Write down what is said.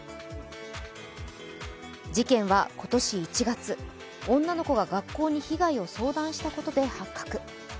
事件は今年１月、女の子が学校に被害を相談したことで発覚。